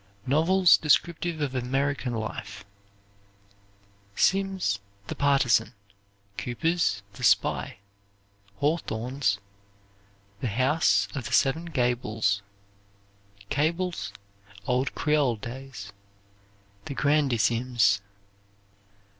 Novels Descriptive of American Life Simms' "The Partisan." Cooper's "The Spy." Hawthorne's "The House of the Seven Gables." Cable's "Old Creole Days," "The Grandissimes."